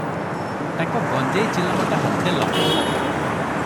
ତାଙ୍କ ଗଞ୍ଜେଇ ଚିଲମଟା ହାତେ ଲମ୍ବ ।